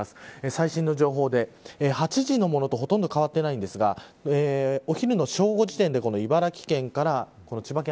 最新情報で、８時のものとほぼ変わっていませんがお昼の正午時点で、茨城県から千葉県